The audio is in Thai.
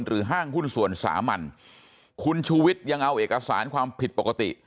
ห้างหุ้นส่วนสามัญคุณชูวิทย์ยังเอาเอกสารความผิดปกติ